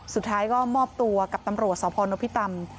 สุดท้ายก็มอบตัวกับตำรวจสพนพิตำ